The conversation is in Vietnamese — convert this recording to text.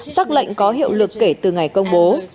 xác lệnh có hiệu lực kể từ ngày công bố